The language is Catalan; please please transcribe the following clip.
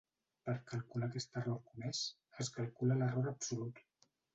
Per calcular aquest error comès, es calcula l'error absolut.